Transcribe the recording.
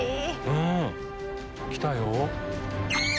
うん来たよ。